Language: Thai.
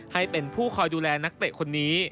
ให้เป็นผู้คอยดูแลนักเตะคนนี้